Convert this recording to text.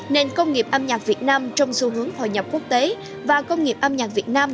nền công nghiệp âm nhạc việt nam trong xu hướng hội nhập quốc tế và công nghiệp âm nhạc việt nam